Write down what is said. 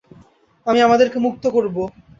আমি আমাদেরকে মুক্ত করব।